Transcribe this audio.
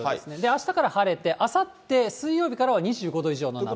あしたから晴れて、あさって水曜日からは２５度以上の夏日。